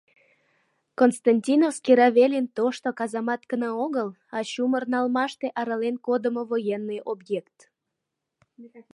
Константиновский равелин тошто казамат гына огыл, а чумыр налмаште — арален кодымо военный объект.